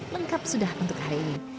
lengkap sudah untuk hari ini